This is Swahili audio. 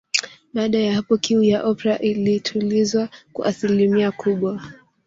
Baada ya hapo kiu ya Oprah ilitulizwa kwa asilimia kubwa